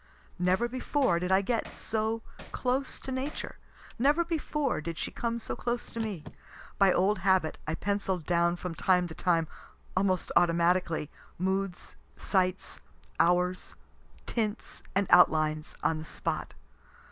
Never before did I get so close to Nature; never before did she come so close to me. By old habit, I pencill'd down from time to time, almost automatically, moods, sights, hours, tints and outlines, on the spot.